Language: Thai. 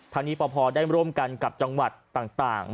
ทางนี้ปภได้ร่วมกันกับจังหวัดต่าง